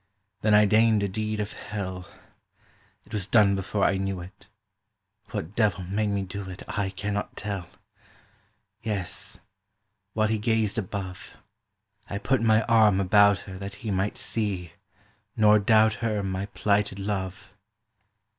Then I deigned a deed of hell; It was done before I knew it; What devil made me do it I cannot tell! Yes, while he gazed above, I put my arm about her That he might see, nor doubt her My plighted Love.